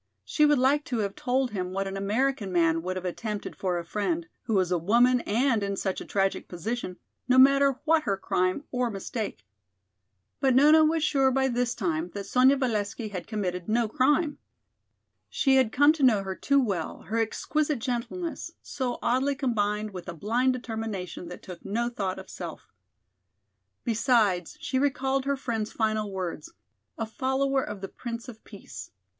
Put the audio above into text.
She would like to have told him what an American man would have attempted for a friend, who was a woman and in such a tragic position, no matter what her crime or mistake. But Nona was sure by this time that Sonya Valesky had committed no crime. She had come to know her too well, her exquisite gentleness, so oddly combined with a blind determination that took no thought of self. Besides she recalled her friend's final words, "a follower of the Prince of Peace."